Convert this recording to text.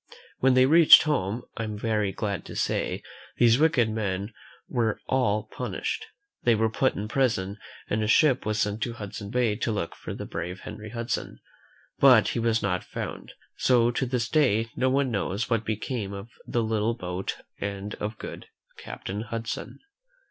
When they reached home, I am glad to say, these wicked men were all punished. They were put in prison, and a ship was sent to Hudson Bay to look for the brave Henry Hudson; but he was not found, and to this day no one knows what became of the little boat and of good Captain Hudson.